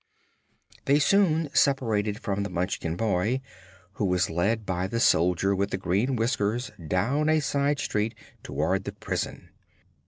They soon separated from the Munchkin boy, who was led by the Soldier with the Green Whiskers down a side street toward the prison.